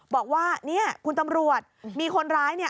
บอกว่าเนี่ยคุณตำรวจมีคนร้ายเนี่ย